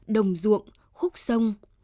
đồng ruộng khúc sông